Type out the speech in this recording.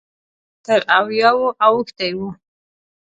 تر اویاوو اوښتی و.